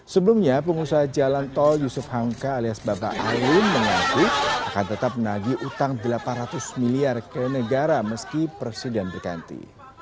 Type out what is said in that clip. sebelumnya pengusaha jalan tol yusuf hamka alias bapak alun mengaku akan tetap menagih utang delapan ratus miliar ke negara meski presiden berganti